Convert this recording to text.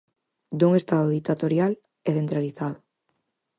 Dun estado ditatorial e centralizado.